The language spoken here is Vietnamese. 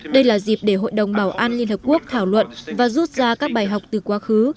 đây là dịp để hội đồng bảo an liên hợp quốc thảo luận và rút ra các bài học từ quá khứ